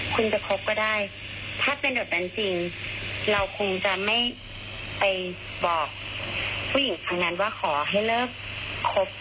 คุณจะคบก็ได้ถ้าเป็นแบบนั้นจริงเราคงจะไม่ไปบอกผู้หญิงทั้งนั้นว่าขอให้เลิกครบ